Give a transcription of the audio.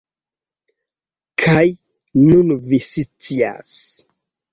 Kaj nun vi scias